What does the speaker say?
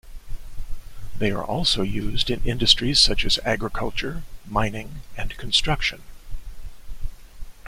They are also used in industries such as agriculture, mining and construction.